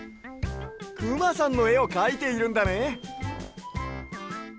くまさんのえをかいているんだね。